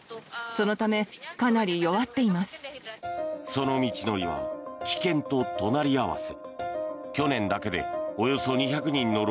その道のりは危険と隣り合わせ。